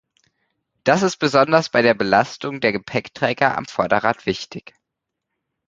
Das ist besonders bei der Belastung der Gepäckträger am Vorderrad wichtig.